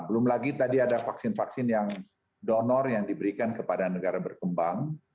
belum lagi tadi ada vaksin vaksin yang donor yang diberikan kepada negara berkembang